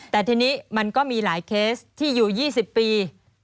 แต่ทีนี้มันก็มีหลายเคสที่อยู่๒๐ปี